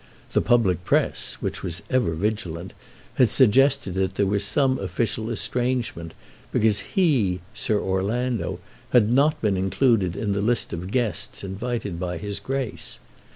The public press, which was ever vigilant, had suggested that there was some official estrangement, because he, Sir Orlando, had not been included in the list of guests invited by his Grace.